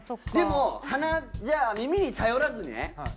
でもじゃあ耳に頼らずね